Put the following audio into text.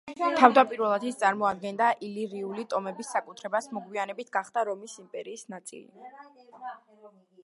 თავდაპირველად ის წარმოადგენდა ილირიული ტომების საკუთრებას, მოგვიანებით გახდა რომის იმპერიის ნაწილი.